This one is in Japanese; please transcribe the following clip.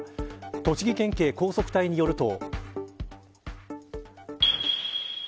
栃木県警高速隊によると。